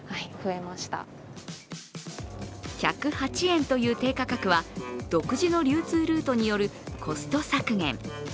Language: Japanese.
１０８円という低価格は、独自の流通ルートによるコスト削減。